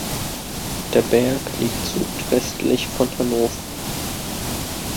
Der Berg liegt südwestlich von Hannover.